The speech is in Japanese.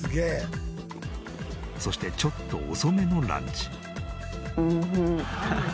そしてちょっと遅めのランチ。